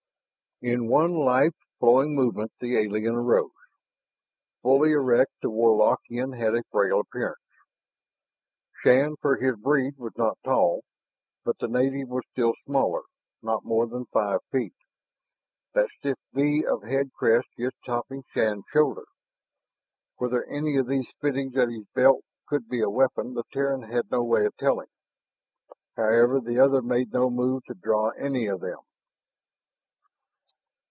In one lithe, flowing movement the alien arose. Fully erect, the Warlockian had a frail appearance. Shann, for his breed, was not tall. But the native was still smaller, not more than five feet, that stiff V of head crest just topping Shann's shoulder. Whether any of those fittings at its belt could be a weapon the Terran had no way of telling. However, the other made no move to draw any of them.